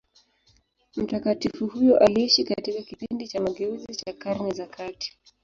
Mtakatifu huyo aliishi katika kipindi cha mageuzi cha Karne za kati.